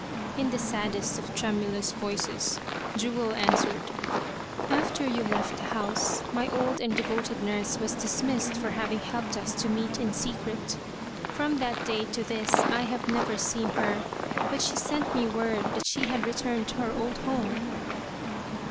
In the saddest of tremulous voices Jewel an swered :" After you left the house my old and devoted nurse was dismissed for having helped us to meet in secret. From that day to this I have never seen her, but she sent me word that she had returned to her old home."